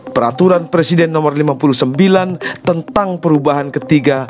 peraturan presiden nomor lima puluh sembilan tentang perubahan ketiga